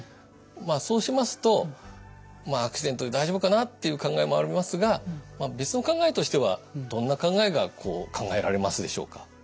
まあそうしますと「アクシデントで大丈夫かな」っていう考えもありますが「別の考え」としてはどんな考えが考えられますでしょうか？